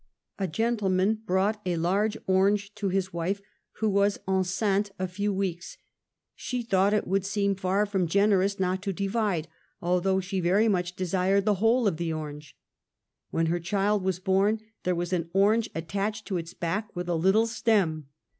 A gentleman l)rought a very large orange to his wife who was enceinte a few weeks. She thouo ht it would seem far from generous not to divide, although she very much desired the whole of the orange. When her child was born there was an orange at tached to its back with a little stem.